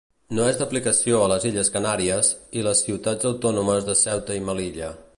No és d'aplicació a les illes Canàries, i les ciutats autònomes de Ceuta i Melilla.